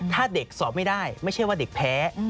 ถ้าเด็กสอบไม่ได้ไม่ใช่ว่าเด็กแพ้